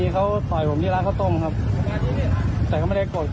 แล้วก็มีอาวุธปืนและเครื่องกระสุนโดยไม่ได้รับอนุญาต